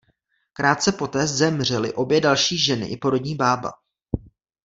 Krátce poté zemřely obě další ženy i porodní bába.